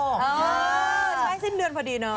ใช่สิ้นเดือนพอดีเนาะ